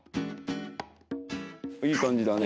いい感じだね。